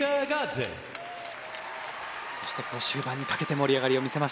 そして終盤にかけて盛り上がりを見せましたね。